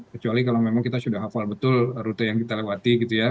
kecuali kalau memang kita sudah hafal betul rute yang kita lewati gitu ya